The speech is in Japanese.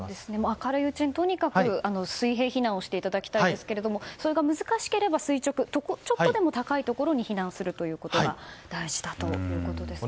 明るいうちにとにかく水平避難をしていただきたいですけどそれが難しければ、垂直ちょっとでも高いところに避難することが大事だということです。